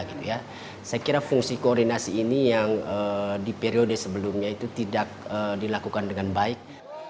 saya kira fungsi koordinasi ini yang di periode sebelumnya itu tidak dilakukan dengan baik